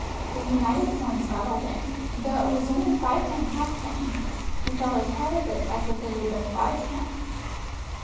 Their united coins rattled in, and though it was only fivepence halfpenny, they felt as proud of it as if it had been five pounds.